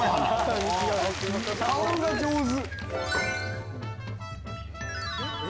顔が上手。